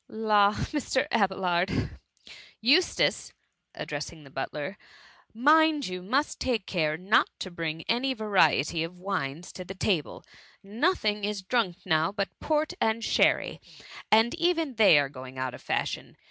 *"^^ La, Mr. Abelard ! Eustace !^^ addressing the butler, ^^ mind you must take care not to bring any variety of wines to the table: no thing is drunk now but port and sherryi and even they are going out of fashion.